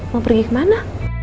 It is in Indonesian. mau pergi ke mana